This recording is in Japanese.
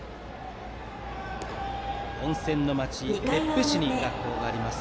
温泉の町・別府市に学校があります。